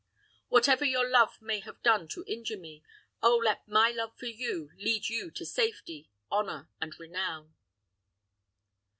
Whatever your love may have done to injure me, oh let my love for you lead you to safety, honor, and renown."